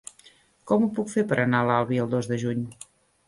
Com ho puc fer per anar a l'Albi el dos de juny?